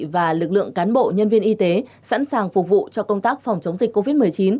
và lực lượng cán bộ nhân viên y tế sẵn sàng phục vụ cho công tác phòng chống dịch covid một mươi chín